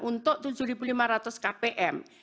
untuk tujuh lima ratus kpm